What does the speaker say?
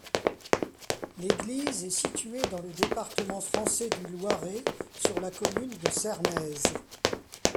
L'église est située dans le département français du Loiret, sur la commune de Sermaises.